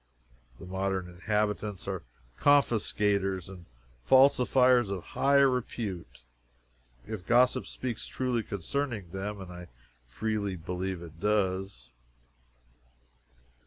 The modern inhabitants are confiscators and falsifiers of high repute, if gossip speaks truly concerning them, and I freely believe it does.